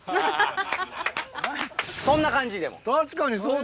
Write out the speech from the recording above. そんな感じ、でも。